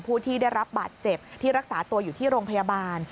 ผู้ที่ได้รับบาดเจ็บที่รักษาตัวอยู่ที่โรงพยาบาล